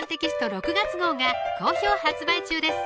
６月号が好評発売中です